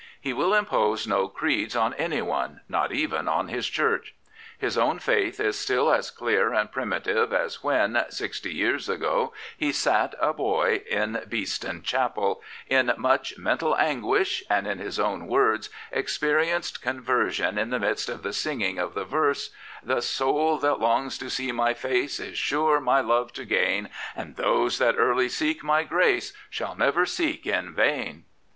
He will impose no creeds on anyone, not even on his Church. His own faith is still as clear and primitive as when, sixty years ago, he sat a boy in Beeston Chapel, in " much mental anguish," and in his own words experienced conversion in the midst of the singing of the verse: The soul that longs to see My face Is sure My love to gain; And those that early seek My grace Shall never seek in vain.